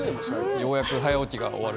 ようやく早起きが終わる。